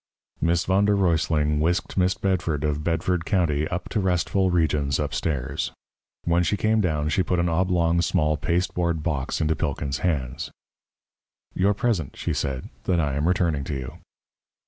Miss Von der Ruysling whisked Miss Bedford of Bedford County up to restful regions upstairs. When she came down, she put an oblong small pasteboard box into Pilkins' hands. "Your present," she said, "that I am returning to you."